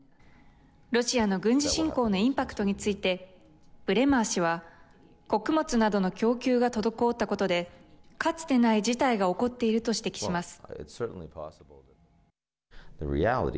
ロシアの軍事侵攻のインパクトについてブレマー氏は穀物などの供給が滞ったことで、かつてない事態が起こっていると指摘します。